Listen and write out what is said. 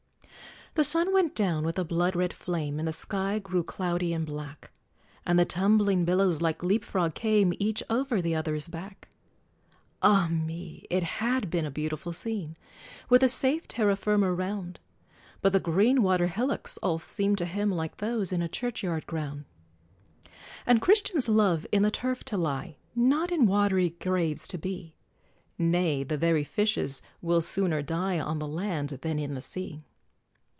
The sun went down with a blood red flame, And the sky grew cloudy and black, And the tumbling billows like leap frog came, Each over the other's back! Ah me! it had been a beautiful scene, With the safe terra firma round; But the green water hillocks all seem'd to him Like those in a churchyard ground; And Christians love in the turf to lie, Not in watery graves to be; Nay, the very fishes will sooner die On the land than in the sea.